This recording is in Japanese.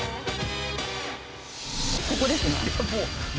ここですね。